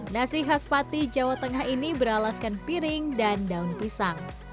nasi khas pati jawa tengah ini beralaskan piring dan daun pisang